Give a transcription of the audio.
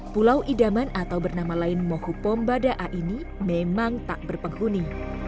pulau idaman atau bernama lain mohupomba da'a ini memang tak berpenghuni